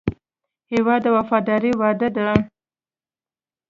هېواد د وفادارۍ وعده ده.